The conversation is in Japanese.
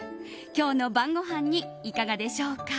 今日の晩ごはんにいかがでしょうか？